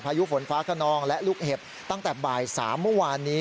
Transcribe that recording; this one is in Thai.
ยุฝนฟ้าขนองและลูกเห็บตั้งแต่บ่าย๓เมื่อวานนี้